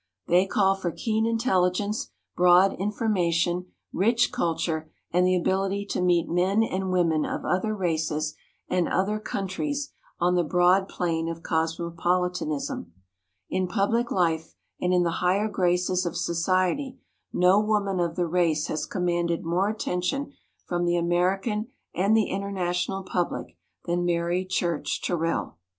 They call for keen intelligence, broad infor mation, rich culture, and the ability to meet men and women of other races and other countries on the broad plane of cosmopoli tanism. In public life and in the higher graces of society no woman of the race has commanded more attention from the Ameri can and the international public than Mary Church Terrell.